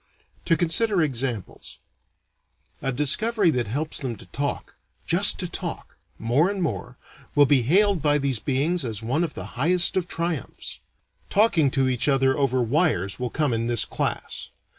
To consider examples: A discovery that helps them to talk, just to talk, more and more, will be hailed by these beings as one of the highest of triumphs. Talking to each other over wires will come in this class.